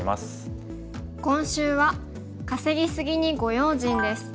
今週は「稼ぎ過ぎにご用心」です。